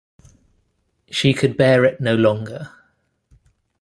She could not bear it longer.